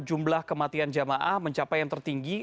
jumlah kematian jamaah mencapai yang tertinggi